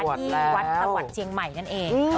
ที่วัดสวรรค์เจียงใหม่นั่นเอง